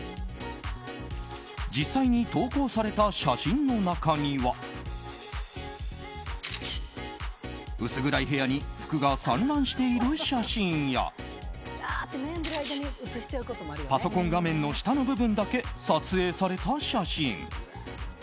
実際に投稿された写真の中には薄暗い部屋に服が散乱している写真やパソコン画面の下の部分だけ撮影された写真。